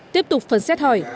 tiếp tục phần xét hỏi